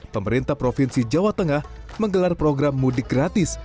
pemerintah provinsi jawa tengah menggelar program mudik gratis